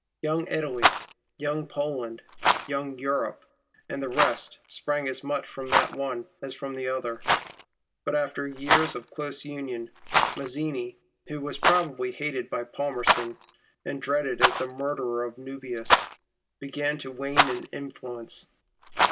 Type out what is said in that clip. Young Italy, Young Poland, Young Europe, and the rest sprang as much from the one as from the other. But after years of close union, Mazzini, who was probably hated by Palmerston, and dreaded as the murderer of Nubius, began to wane in influence.